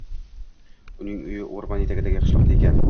Uning uyi o’rmon etagidagi qishloqda ekan